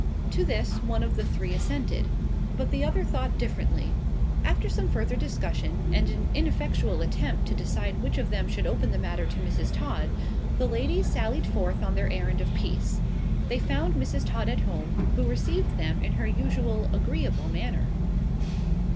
To this, one of the three assented. But the other thought differently. After some further discussion, and an ineffectual attempt to decide which of them should open the matter to Mrs. Todd, the ladies sallied forth on their errand of peace. They found Mrs. Todd at home, who received them in her usual agreeable manner.